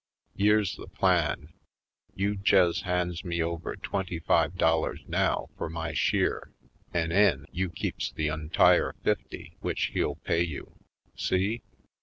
Yere's the plan : You jes' hands me over twenty five dollars now fur my sheer an' 'en you keeps the ontire fifty w'ich he'll pay you. See?